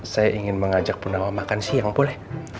saya ingin mengajak purnama makan siang boleh